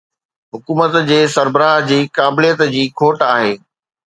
حڪومت جي سربراهه جي قابليت جي کوٽ آهي.